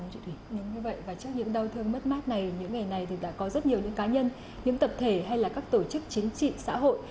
như vậy và trước những đau thương mất mát này những ngày này thì đã có rất nhiều những cá nhân những tập thể hay là các tổ chức chính trị xã hội